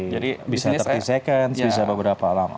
jadi bisa tiga puluh seconds bisa beberapa lama